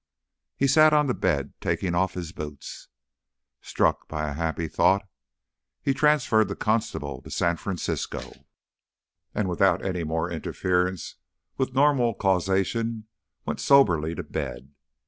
He sat on the bed taking off his boots. Struck by a happy thought he transferred the constable to San Francisco, and without any more interference with normal causation went soberly to bed.